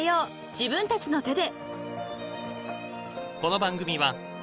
自分たちの手で］